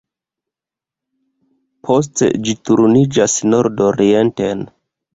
Poste ĝi turniĝas nordorienten.